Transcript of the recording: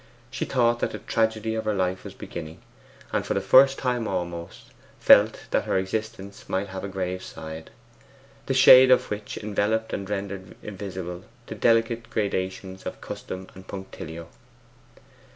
She thought that the tragedy of her life was beginning, and, for the first time almost, felt that her existence might have a grave side, the shade of which enveloped and rendered invisible the delicate gradations of custom and punctilio.